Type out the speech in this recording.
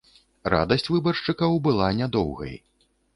Радасць выбаршчыкаў была нядоўгай.